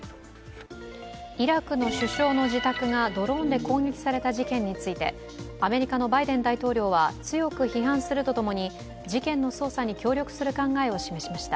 イラクの首相の自宅がドローンで攻撃された事件についてアメリカのバイデン大統領は強く批判すると共に、事件の捜査に協力する考えを示しました。